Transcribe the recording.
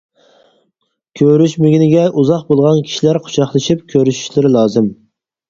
كۆرۈشمىگىنىگە ئۇزاق بولغان كىشىلەر قۇچاقلىشىپ كۆرۈشۈشلىرى لازىم.